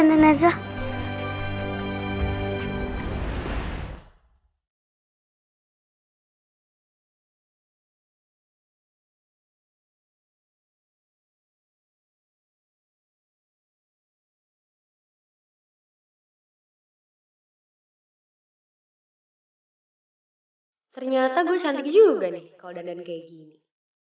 ternyata gue cantik juga nih kalau dandan kayak gini